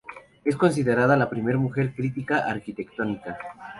Es considerada la primera mujer crítica arquitectónica.